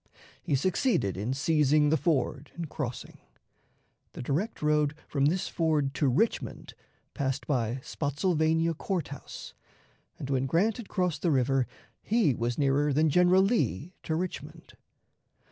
He succeeded in seizing the ford and crossing. The direct road from this ford to Richmond passed by Spottsylvania Court House, and, when Grant had crossed the river, he was nearer than General Lee to Richmond.